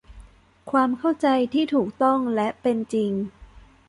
ความเข้าใจที่ถูกต้องและเป็นจริง